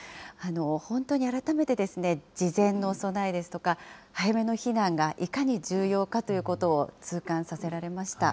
本当に改めてですね、事前の備えですとか、早めの避難がいかに重要かということを痛感させられました。